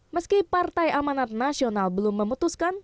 meski partai amanat nasional belum memutuskan